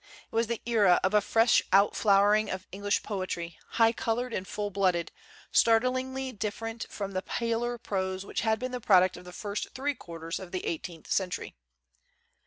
It was the era of a fresh outflowering of Eng lish poetry, high colored and full blooded, start lingly different from the paler prose which had been the product of the first three quarters of the eighteenth century.